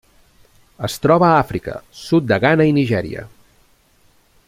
Es troba a Àfrica: sud de Ghana i Nigèria.